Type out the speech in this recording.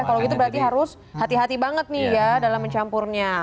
kalau gitu berarti harus hati hati banget nih ya dalam mencampurnya